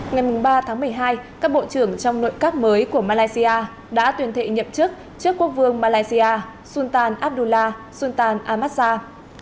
ngày ba tháng một mươi hai các bộ trưởng trong nội các mới của malaysia đã tuyên thệ nhậm chức trước quốc vương malaysia sultan abdullah sultan amaza